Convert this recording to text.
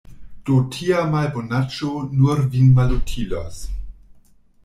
Do tia malbonaĵo nur vin malutilos.